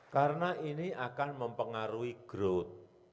karena ini akan mempengaruhi growth